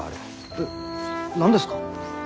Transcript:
え何ですか？